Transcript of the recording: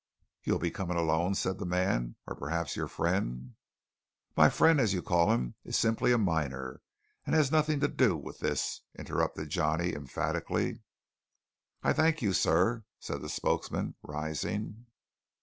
"You'll be comin' alone?" said the man, "or p'rhaps yore friend " "My friend, as you call him, is simply a miner, and has nothing to do with this," interrupted Johnny emphatically. "I thank you, sir," said the spokesman, rising.